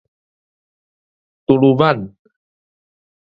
哆囉滿